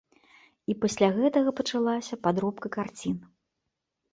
І пасля гэтага пачалася падробка карцін.